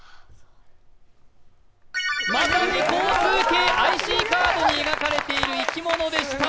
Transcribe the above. まさに交通系ＩＣカードに描かれている生き物でした。